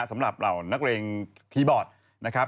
สำหรับเหล่านักเรียงพีบอร์ดนะครับ